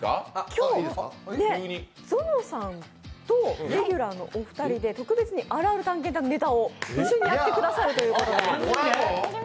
今日、ぞのさんとレギュラーのお二人で特別にあるある探検隊のネタを一緒にやってくださるということで。